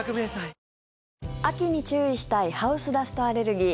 ペイトク秋に注意したいハウスダストアレルギー。